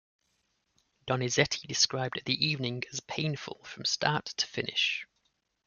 Donizetti described the evening as "painful, from start to finish".